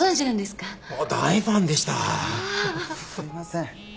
すいません。